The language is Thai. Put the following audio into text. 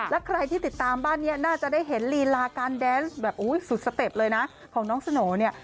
และใครที่ติดตามบ้านนี้น่าจะได้เห็นลีลาการแดนส์แบบสุดสเต็ปเลยนะของน้องสโหน่เนี่ย